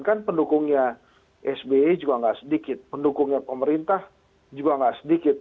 kan pendukungnya sbe juga tidak sedikit pendukungnya pemerintah juga tidak sedikit